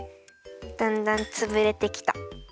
だんだんつぶれてきた。